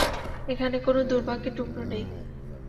এখানে কোনো দুর্ভাগ্যের টুকরো নেই।